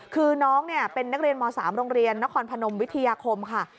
คือน้องเป็นนักเรียนม๓โรงเรียนนครพนมวิทยาคมค่ะ